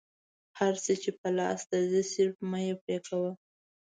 هر څه چې په لاس درځي صرفه مه پرې کوه.